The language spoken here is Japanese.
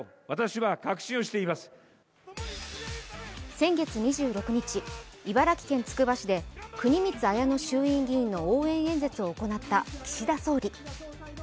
先月２６日、茨城県つくば市で国光文乃衆院議員の応援演説を行った岸田総理。